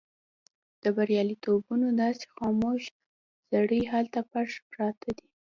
د برياليتوبونو داسې خاموش زړي هلته پټ پراته دي.